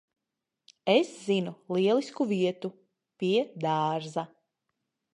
Es zinu lielisku vietu. Pie dārza.